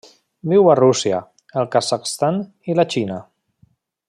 Viu a Rússia, el Kazakhstan i la Xina.